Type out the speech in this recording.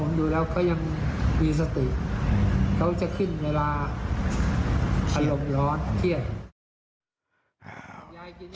ผมดูแล้วเขายังมีสติเขาจะขึ้นเวลาอารมณ์ร้อนเครียด